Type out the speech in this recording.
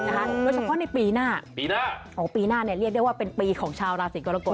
สำคัญในปีหน้าปีหน้าเรียกได้ว่าเป็นปีของชาวราศิกรกฎ